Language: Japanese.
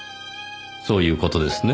そういう事ですね？